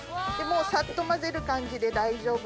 さっと混ぜる感じで大丈夫です。